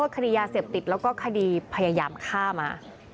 คดียาเสพติดแล้วก็คดีพยายามฆ่ามา